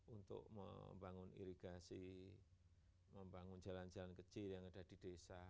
untuk membangun irigasi membangun jalan jalan kecil yang ada di desa